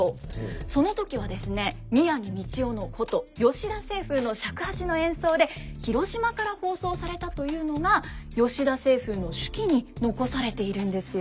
その時はですね宮城道雄の箏吉田晴風の尺八の演奏で広島から放送されたというのが吉田晴風の手記に残されているんですよ。